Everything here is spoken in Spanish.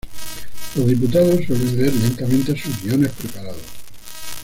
Los diputados suelen leer lentamente sus guiones preparados.